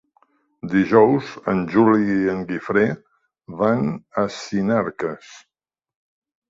Dijous en Juli i en Guifré van a Sinarques.